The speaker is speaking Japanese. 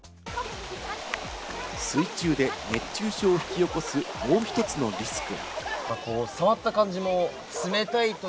水中で熱中症を引き起こす、もう１つのリスク。